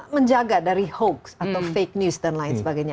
menjaga dari hoax atau fake news dan lain sebagainya